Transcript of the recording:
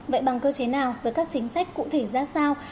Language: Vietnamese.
vậy bằng cơ chế nào với các chính sách cụ thể ra sao